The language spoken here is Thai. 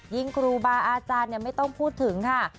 ครูบาอาจารย์ไม่ต้องพูดถึงค่ะ